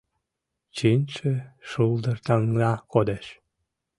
Чинче шулдыр таҥна кодеш